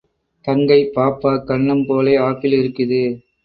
தங்கைப் பாப்பா கன்னம் போலே ஆப்பிள் இருக்குது.